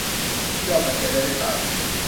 ที่เราสังเกตได้ด้วยตา